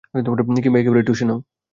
কিংবা একেবারেই ঠুসে নাও।